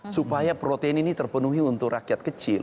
supaya protein ini terpenuhi untuk rakyat kecil